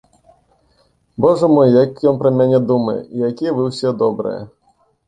Божа мой, як ён пра мяне думае і якія вы ўсе добрыя!